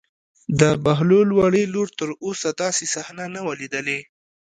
د بهلول وړې لور تر اوسه داسې صحنه نه وه لیدلې.